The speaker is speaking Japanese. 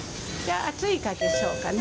熱いかけ小かな？